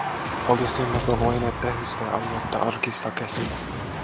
Olisimmepa voineet tähystää aluetta arkista käsin.